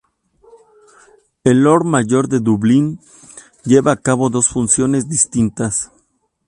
El Lord Mayor de Dublín lleva a cabo dos funciones distintas.